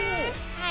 はい。